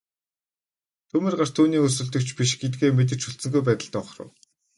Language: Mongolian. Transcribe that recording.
Төмөр гарт түүний өрсөлдөгч биш гэдгээ мэдэж хүлцэнгүй байдалтай ухрав.